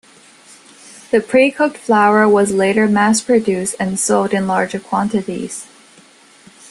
The precooked flour was later mass-produced and sold in larger quantities.